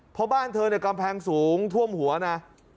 เพราะบ้านเธอเนี่ยกำแพงสูงท่วมหัวนะ